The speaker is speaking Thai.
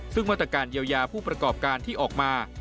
ซึ่งมาตรการเยียวยาผู้ประกอบการที่ออกมา